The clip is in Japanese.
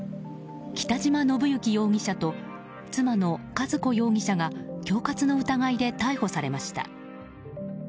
北嶌延幸容疑者と妻の和子容疑者が恐喝の疑いで逮捕されました。